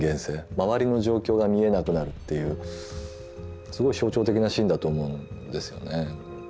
周りの状況が見えなくなるっていうすごい象徴的なシーンだと思うんですよね。